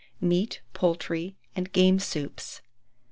MEAT, POULTRY, AND GAME SOUPS.